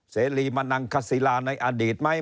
เสรีมนังคศิลาในอดีตไหม